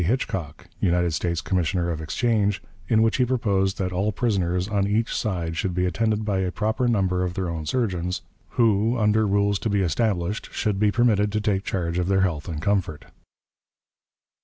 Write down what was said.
Hitchcock, United States commissioner of exchange, in which he proposed that all prisoners on each side should be attended by a proper number of their own surgeons, who, under rules to be established, should be permitted to take charge of their health and comfort.